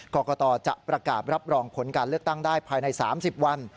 กรกตจะประกาศรับรองผลการเลือกตั้งได้ภายใน๓๐วัน